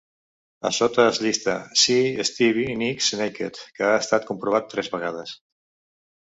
A sota es llista "See Stevie Nicks Naked", que ha estat comprovat tres vegades.